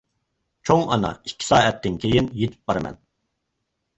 چوڭ ئانا، ئىككى سائەتتىن كېيىن يېتىپ بارىمەن.